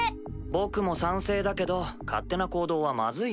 僕も賛成だけど勝手な行動はまずいよ。